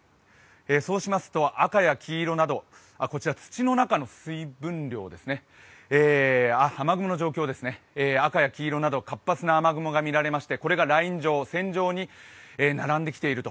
そうしますと赤や黄色など、土の中の水分量ですね、雨雲の状況ですね、赤や黄色など活発な雨雲が見られましてこれがライン状線状に並んできていると。